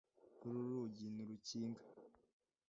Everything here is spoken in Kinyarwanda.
Uru rugi ntirukinga.